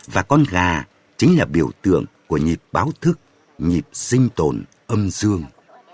và con gà chính là biểu tượng của nhịp báo thức nhịp sinh tồn âm dương